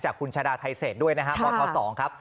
จากคุณชาดาไทเศสด้วยนะฮะตอนข้อสองครับ